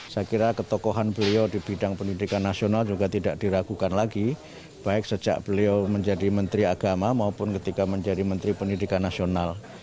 saya kira ketokohan beliau di bidang pendidikan nasional juga tidak diragukan lagi baik sejak beliau menjadi menteri agama maupun ketika menjadi menteri pendidikan nasional